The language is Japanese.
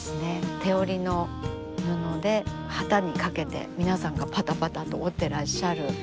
手織りの布で機にかけて皆さんがぱたぱたと織ってらっしゃる布ですね。